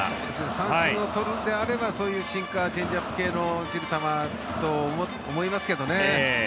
三振を取るのであればそういうシンカーチェンジアップ系の落ちる球と思いますけどね。